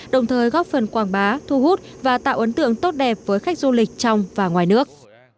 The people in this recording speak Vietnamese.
đồng thời góp phần quảng bá thu hút và tạo ấn tượng tốt đẹp với khách du lịch trong và ngoài nước